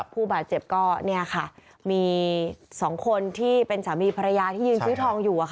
ผู้บาดเจ็บก็มี๒คนที่เป็นสามีภรรยาที่ยืนซื้อทองอยู่